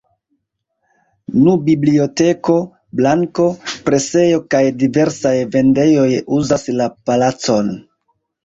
Nun biblioteko, banko, presejo kaj diversaj vendejoj uzas la palacon.